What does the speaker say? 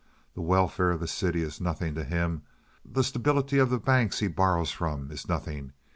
The welfare of the city is nothing to him. The stability of the very banks he borrows from is nothing.